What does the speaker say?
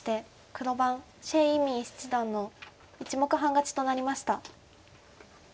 黒番謝依旻七段の１目半勝ちとなりました。